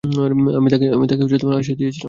আমি তাকে আশ্বাস দিয়েছিলাম।